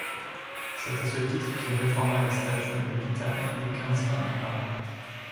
C'est à ce titre qu'il réforma les statuts de l'hôpital des Quinze-Vingts à Paris.